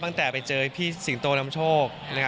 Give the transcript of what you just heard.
ตั้งแต่ไปเจอพี่สิงโตนำโชค